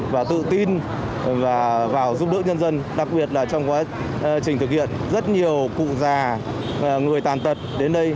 và tự tin và vào giúp đỡ nhân dân đặc biệt là trong quá trình thực hiện rất nhiều cụ già người tàn tật đến đây